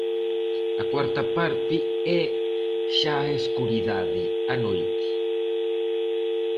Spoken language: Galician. A cuarta parte é xa a escuridade, a noite.